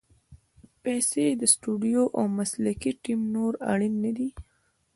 پیسې، سټوډیو او مسلکي ټیم نور اړین نه دي.